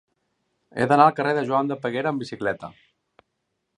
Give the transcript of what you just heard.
He d'anar al carrer de Joan de Peguera amb bicicleta.